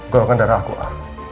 golongan darah aku a